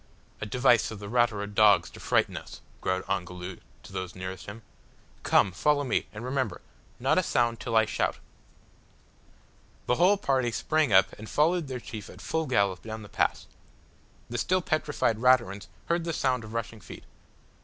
"A device of the Ratura dogs to frighten us," growled Ongoloo to those nearest him. "Come, follow me, and remember, not a sound till I shout." The whole party sprang up and followed their chief at full gallop down the pass. The still petrified Raturans heard the sound of rushing feet.